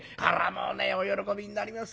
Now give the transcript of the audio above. もうお喜びになりますよ。